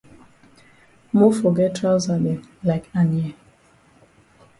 Mofor get trousa dem like Anye.